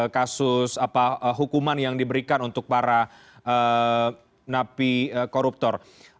kasus hukuman yang diberikan untuk para napi koruptor